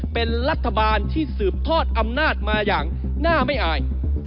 เป็นรัฐบาลที่สืบทอดอำนาจมาอย่างน่าไม่อาย